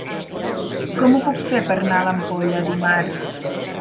Com ho puc fer per anar a l'Ampolla dimarts?